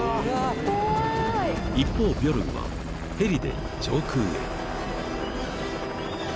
［一方ビョルンはヘリで上空へ］